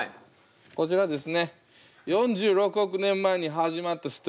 こちらですね。